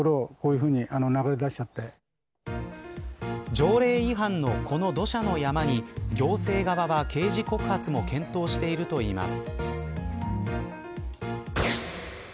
条例違反の、この土砂の山に行政側は、刑事告発も検討しているといいます。